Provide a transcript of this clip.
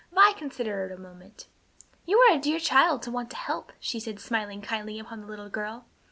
Vi considered a moment. "You are a dear child to want to help," she said, smiling kindly upon the little girl.